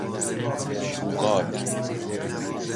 توغاج